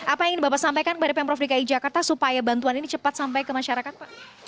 apa yang ingin bapak sampaikan kepada pemprov dki jakarta supaya bantuan ini cepat sampai ke masyarakat pak